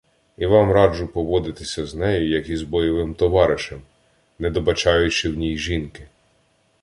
І вам раджу поводитися з нею як із бойовим товаришем, недобачаючи в ній жінки.